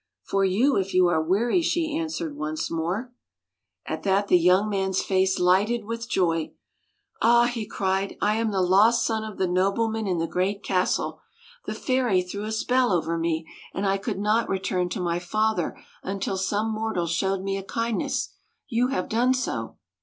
" For you, if you are weary," she an swered once more. [ 77 ] FAVORITE FAIRY TALES RETOLD At that the young man's face lighted with joy " Ah," he cried, " I am the lost son of the nobleman in the great castle. The fairy threw a spell over me, and I could not re turn to my father until some mortal showed me a kindness. You have done so.